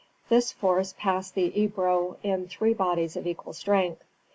This force passed the Ebro in three bodies of equal strength.